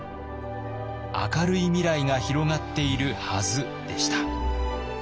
明るい未来が広がっているはずでした。